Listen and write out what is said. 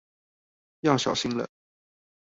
要小心了